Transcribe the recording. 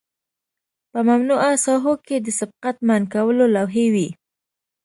په ممنوعه ساحو کې د سبقت منع کولو لوحې وي